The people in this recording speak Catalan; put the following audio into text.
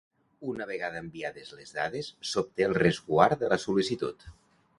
Una vegada enviades les dades s'obté el resguard de la sol·licitud.